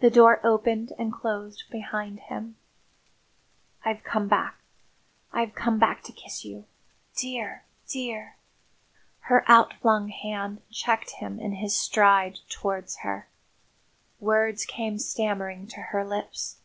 The door opened and closed behind him. "I've come back. I've come back to kiss you. Dear dear!" Her outflung hand checked him in his stride towards her. Words came stammering to her lips.